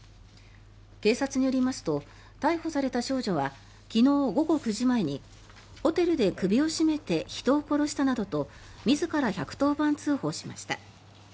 警察によりますと逮捕された少女は昨日午後９時前にホテルで首を絞めて人を殺したなどと自ら１１０番通報しました。